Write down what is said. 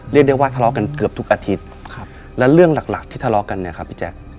เรียกได้ว่าทะเลาะกันเกือบทุกอาทิตย์แล้วเรื่องหลักหลักที่ทะเลาะกันเนี่ยครับพี่แจ๊ค